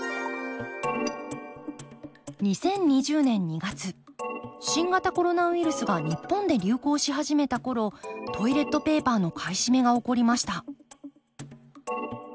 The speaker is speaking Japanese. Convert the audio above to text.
２０２０年２月新型コロナウイルスが日本で流行し始めた頃トイレットペーパーの買い占めが起こりました